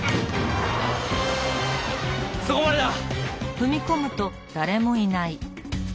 そこまでだ！